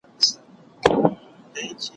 پر دوکان بېهوښه ناست لکه لرګی وو